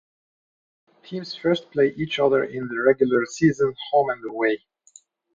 Teams first play each other in the regular season home and away.